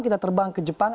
kita terbang ke jepang